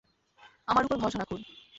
আমার উপর ভরসা রাখুন।